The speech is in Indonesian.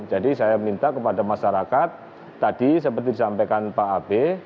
jadi saya minta kepada masyarakat tadi seperti disampaikan pak abe